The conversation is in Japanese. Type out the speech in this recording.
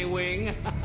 アハハハ！